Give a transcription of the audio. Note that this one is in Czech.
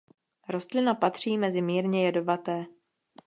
Rostlina patří mezi mírně jedovaté.